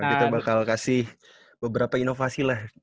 kita bakal kasih beberapa inovasi lah